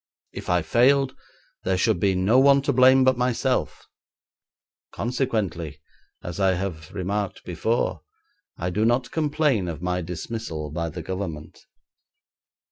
If I failed there should be no one to blame but myself; consequently, as I have remarked before, I do not complain of my dismissal by the Government.